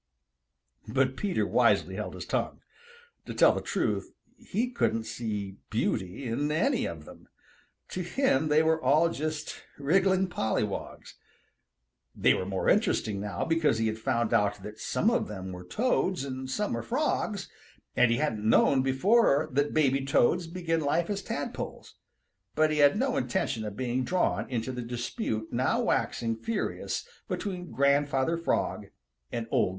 But Peter wisely held his tongue. To tell the truth, he couldn't see beauty in any of them. To him they were all just wriggling pollywogs. They were more interesting now, because he had found out that some of them were Toads and some were Frogs, and he hadn't known before that baby Toads begin life as tadpoles, but he had no intention of being drawn into the dispute now waxing furious between Grandfather Frog and Old Mr. Toad.